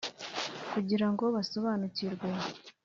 kugira ngo basobanukirwe